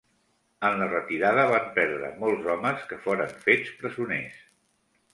En la retirada van perdre molts homes que foren fets presoners.